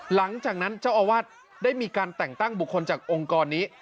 หลังจากนั้นเจ้าอาวาสได้มีการแต่งตั้งบุคคลจากองค์กรนี้